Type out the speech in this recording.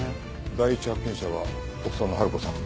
第一発見者は奥さんの春子さん。